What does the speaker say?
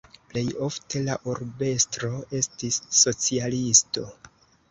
Plej ofte la urbestro estis socialisto.